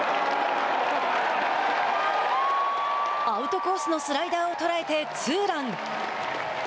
アウトコースのスライダーを捉えてツーラン。